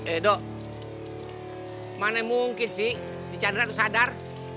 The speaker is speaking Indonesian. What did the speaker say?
eh do mana mungkin sih si cahandre tuh sadar